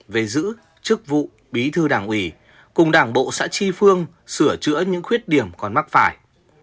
về giữ chức vụ bí thư đảng ủy cùng đảng bộ xã tri phương sửa chữa những khuyết điểm còn mắc phải